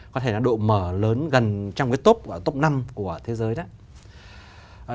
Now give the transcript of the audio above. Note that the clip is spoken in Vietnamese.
có thể nói độ mở lớn gần trong cái tốp năm của thế giới đó